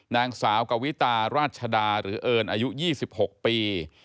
นางสาวกวิตาราชดาหรือเอิญอายุ๒๖ปี